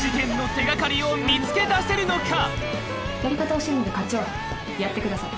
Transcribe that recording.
やり方教えるので課長やってください。